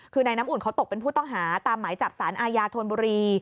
คือนายน้ำอุ่นเขาตกเป็นผู้ต้องหาตามหมายจับสารอาญาธนบุรี